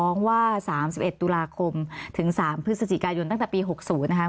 เพราะถ้าเข้าไปอ่านมันจะสนุกมาก